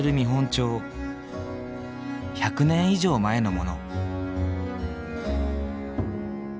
１００年以上前のもの。